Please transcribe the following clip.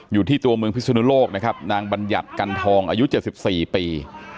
อยู่ที่ตัวเมืองพิศนุโลกนะครับนางบัญญัติกันทองอายุ๗๔ปี